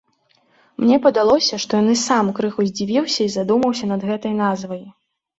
Мне падалося, што ён і сам крыху здзівіўся і задумаўся над гэтай назвай.